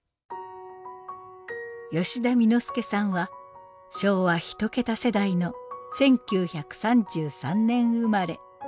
吉田簑助さんは昭和一桁世代の１９３３年生まれ。